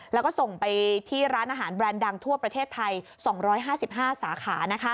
แล้วก็ส่งไปที่ร้านอาหารแบรนด์ดังทั่วประเทศไทย๒๕๕สาขา